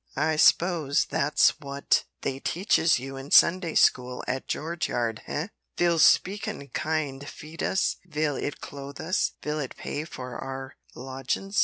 I s'pose that's wot they teaches you in Sunday school at George Yard eh? Vill speakin' kind feed us, vill it clothe us, vill it pay for our lodgin's!"